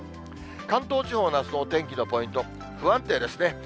関東地方のあすのお天気のポイント、不安定ですね。